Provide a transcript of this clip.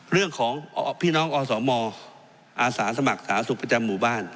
เรื่องของพี่น้องอสมอาสาสมัครสาธารณสุขประจำหมู่บ้าน